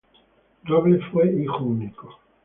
Robles fue hijo único.